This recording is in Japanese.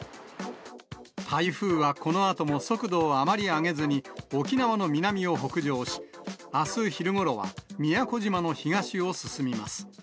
台風はこのあとも速度をあまり上げずに、沖縄の南を北上し、あす昼ごろは、宮古島の東を進みます。